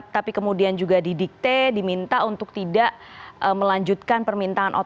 tapi kemudian juga didikte diminta untuk tidak melanjutkan permintaan otot